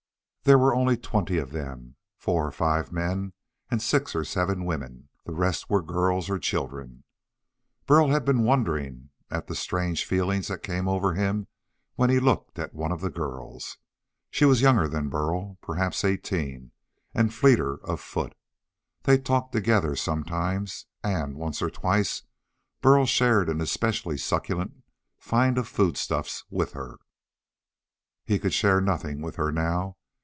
There were only twenty of them; four or five men and six or seven women. The rest were girls or children. Burl had been wondering at the strange feelings that came over him when he looked at one of the girls. She was younger than Burl perhaps eighteen and fleeter of foot. They talked together sometimes and, once or twice, Burl shared an especially succulent find of foodstuffs with her. He could share nothing with her now.